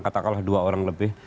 katakanlah dua orang lebih